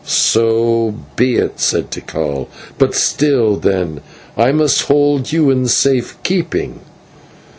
"So be it," said Tikal; "but till then I must hold you in safe keeping.